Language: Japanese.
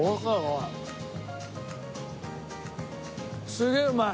すげえうまい。